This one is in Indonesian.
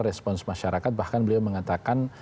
respons masyarakat bahkan beliau mengatakan